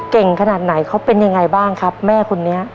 ขนาดไหนเขาเป็นยังไงบ้างครับแม่คนนี้